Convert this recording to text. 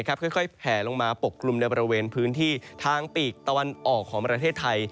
ค่อยแผลลงมาปกกลุ่มในบริเวณพื้นที่ทางปีกตะวันออกของประเทศไทย